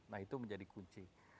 nah itu menjadi kunci